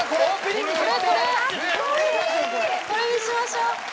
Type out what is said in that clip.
これにしましょう。